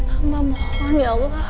hamba mohon ya allah